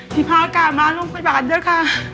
ที่พากามาโรงพยาบาลด้วยค่ะ